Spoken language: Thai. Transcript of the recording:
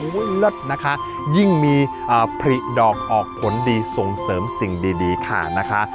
เลิศนะคะยิ่งมีผลิดอกออกผลดีส่งเสริมสิ่งดีค่ะนะคะ